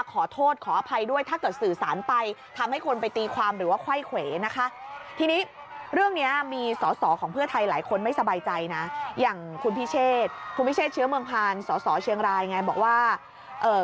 ขอโทษขออภัยด้วยถ้าเกิดสื่อสารไป